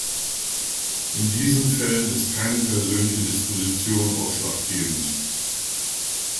In diesen Fällen ist keine persönliche Disposition ausschlaggebend.